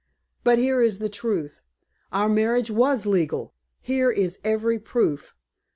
But here is the truth. Our marriage was legal! Here is every proof.